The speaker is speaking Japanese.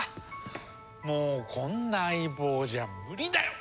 もうこんな相棒じゃ無理だよ。